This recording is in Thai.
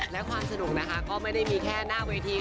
และความสนุกนะคะก็ไม่ได้มีแค่หน้าเวที